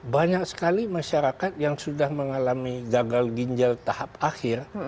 banyak sekali masyarakat yang sudah mengalami gagal ginjal tahap akhir